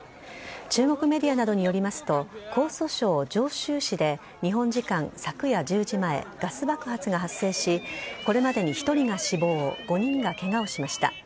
中国メディアなどによりますと江蘇省常州市で日本時間昨夜１０時前ガス爆発が発生しこれまでに１人が死亡５人がケガをしました。